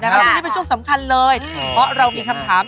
ช่วงนี้เป็นช่วงสำคัญเลยเพราะเรามีคำถาม